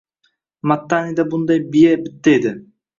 Mattanida bunday biya bitta edi